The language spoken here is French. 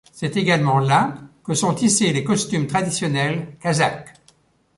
C'est également là que sont tissés les costumes traditionnels kazakhs.